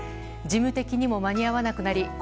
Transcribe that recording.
事務的にも間に合わなくなり